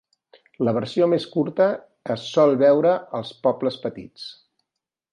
La versió més curta es sol veure als pobles petits.